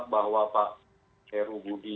bahwa pak heru budih